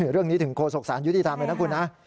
เรื่องนี้ถึงโศกสารยุติธรรมเลยนะคุณนะ